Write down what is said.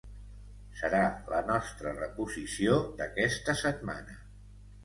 Serà la nostra reposició d’aquesta setmana.